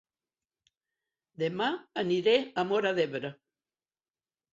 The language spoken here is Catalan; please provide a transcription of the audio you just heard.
Dema aniré a Móra d'Ebre